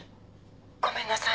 ごめんなさい。